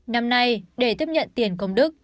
năm nay để tiếp nhận tiền công đức